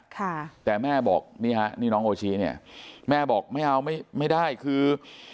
ค่ะแต่แม่บอกนี่ฮะนี่น้องโอชิเนี่ยแม่บอกไม่เอาไม่ไม่ได้คือ